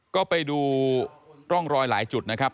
ก็ไปดูร่องรอยหลายจุดนะครับ